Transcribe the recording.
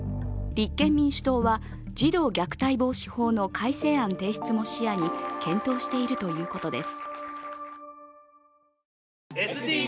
立憲民主党は児童虐待防止法の改正案提出も視野に検討しているということです。